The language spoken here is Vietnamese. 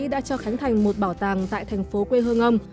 đã cho khánh thành một bảo tàng tại thành phố quê hương ông